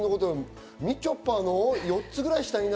みちょぱの４つぐらい下かな？